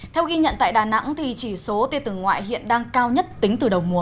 theo ghi nhận tại đà nẵng chỉ số tia tử ngoại hiện đang cao nhất tính từ đầu mùa